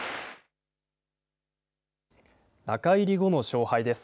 中入り後の勝敗です。